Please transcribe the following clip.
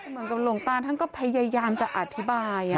เหมือนกับหลวงตาท่านก็พยายามจะอธิบาย